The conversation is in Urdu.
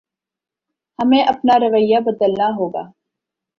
ہمیں اپنا رویہ بدلنا ہوگا